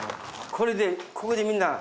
これでここでみんな。